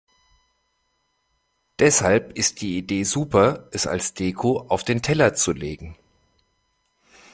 Deshalb ist die Idee super, es als Deko auf den Teller zu legen.